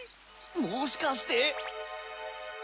もしかして。